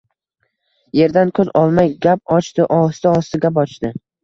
Yerdan ko‘z olmay gap ochdi. Ohista-ohista gap ochdi: